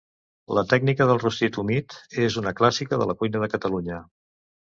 La tècnica del rostit humit és una clàssica de la cuina de Catalunya.